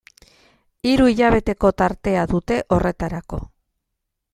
Hiru hilabeteko tartea dute horretarako.